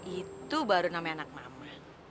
itu baru namanya anak mama